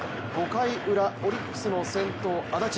５回ウラ、オリックスの先頭安達。